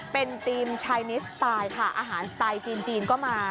เป็นทีมชายนิสไตล์ค่ะอาหารสไตล์จีนก็มา